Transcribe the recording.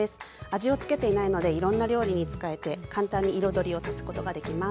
味をつけていないのでいろんな料理に使えて簡単に彩りを足すことができます。